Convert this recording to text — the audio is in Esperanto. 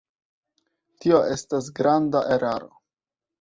Tio estas granda eraro.